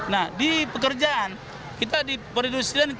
nah di pekerjaan kita di perindustrian